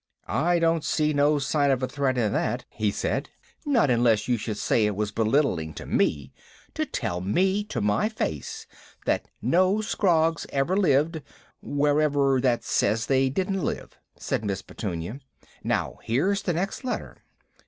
"I don't see no sign of a threat in that," he said. "Not unless you should say it was belittling me to tell me to my face that no Scroggs ever lived wherever that says they didn't live," said Miss Petunia. "Now, here's the next letter."